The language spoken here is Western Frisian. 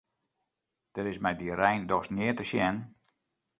Der is mei dy rein dochs neat te sjen.